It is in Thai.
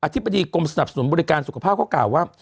ธิบดีกรมสนับสนุนบริการสุขภาพเขากล่าวว่า